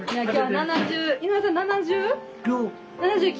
井上さん７０？９。